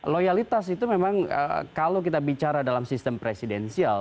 loyalitas itu memang kalau kita bicara dalam sistem presidensial